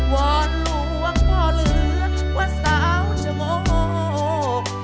วอนหลวงพ่อเหลือวัดสาวจมงค์